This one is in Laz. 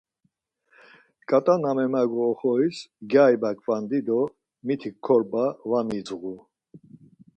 Ǩat̆a na memagu oxoris gyari baǩvandi do mitik korba var midzğu.